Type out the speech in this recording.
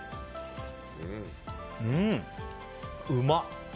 うん、うま。